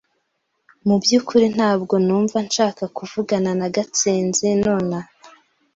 Mu byukuri ntabwo numva nshaka kuvugana na Gatsinzi nonaha.